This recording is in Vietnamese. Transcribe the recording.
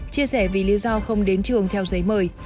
chia sẻ vì lý do không đến trường theo giấy mời